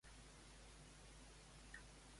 Què el fa una figura rellevant per al cristianisme?